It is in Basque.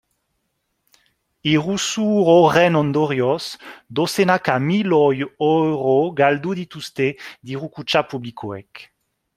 Iruzur horren ondorioz dozenaka milioi euro galdu dituzte diru-kutxa publikoek.